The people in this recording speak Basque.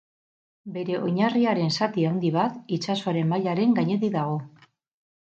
Bere oinarriaren zati handi bat, itsasoaren mailaren gainetik dago.